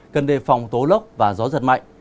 cần đề phòng tố lốc và gió giật mạnh